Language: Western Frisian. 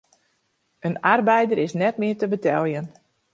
In arbeider is net mear te beteljen.